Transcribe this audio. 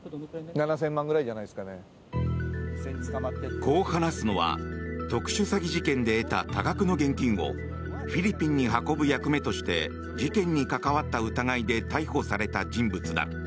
こう話すのは特殊詐欺事件で得た多額の現金をフィリピンに運ぶ役目として事件に関わった疑いで逮捕された人物だ。